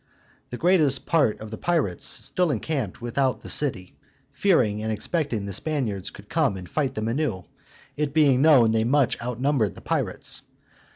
The greatest part of the pirates still encamped without the city, fearing and expecting the Spaniards would come and fight them anew, it being known they much outnumbered the pirates.